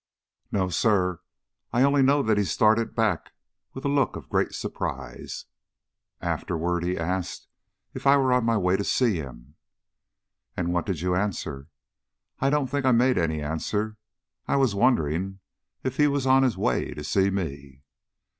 "No, sir. I only know he started back with a look of great surprise. Afterward he asked if I were on my way to see him." "And what did you answer?" "I don't think I made any answer. I was wondering if he was on his way to see me."